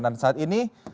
dan saat ini